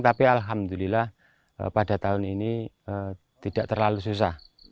tapi alhamdulillah pada tahun ini tidak terlalu susah